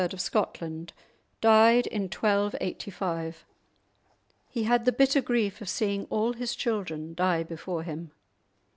of Scotland died in 1285; he had the bitter grief of seeing all his children die before him.